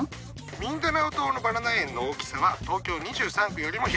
ミンダナオ島のバナナ園の大きさは東京２３区よりも広いんだよ！